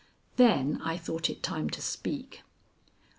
Then I thought it time to speak.